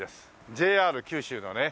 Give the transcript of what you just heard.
ＪＲ九州のね。